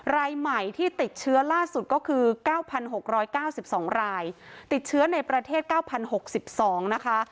รายใหม่ที่ติดเชื้อล่าสุดก็คือ๙๖๙๒รายติดเชื้อในประเทศ๙๐๖๒นะคะ